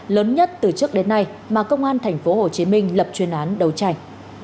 lớn nhất từ trước đến nay mà công an tp hcm lập chuyên án đấu tranh